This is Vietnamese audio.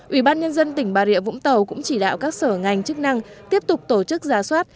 ủy ban nhân dân tỉnh bà rịa vũng tàu cũng chỉ đạo các sở ngành chức năng tiếp tục tổ chức ra soát